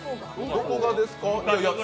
どこがですか？